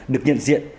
được nhận diện